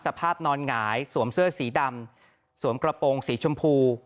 สภาพนอนหงายสวมเสื้อสีดำสวมกระโปรงสีชมพู